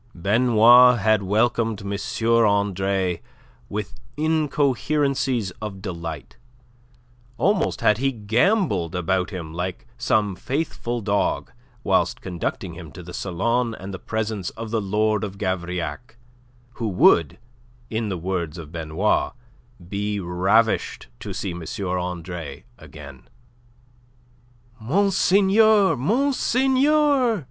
Benoit had welcomed M. Andre with incoherencies of delight; almost had he gambolled about him like some faithful dog, whilst conducting him to the salon and the presence of the Lord of Gavrillac, who would in the words of Benoit be ravished to see M. Andre again. "Monseigneur! Monseigneur!"